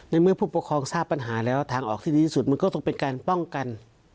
ในเมื่อผู้ปกครองทราบปัญหาแล้วทางออกที่ดีที่สุดมันก็ต้องเป็นการป้องกัน